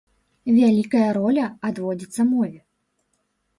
Вялікая роля адводзіцца мове.